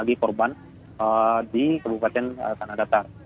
jadi korban di kabupaten tanah datar